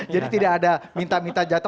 jadi tidak ada minta minta jatuh